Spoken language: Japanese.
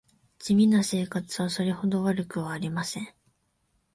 地味な生活はそれほど悪くはありません